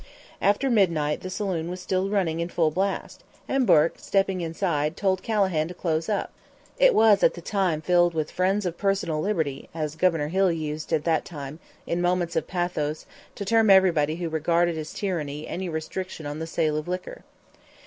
After midnight the saloon was still running in full blast, and Bourke, stepping inside, told Calahan to close up. It was at the time filled with "friends of personal liberty," as Governor Hill used at that time, in moments of pathos, to term everybody who regarded as tyranny any restriction on the sale of liquor.